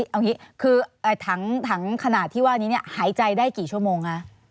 เอาอย่างนี้คือถังขนาดที่ว่านี้หายใจได้กี่ชั่วโมงคะ